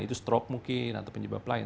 itu stroke mungkin atau penyebab lain